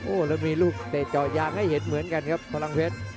แล้วมีลูกเตะเจาะยางให้เห็นเหมือนกันครับพลังเพชร